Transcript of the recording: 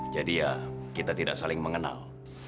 ya kita tidak saling mengenal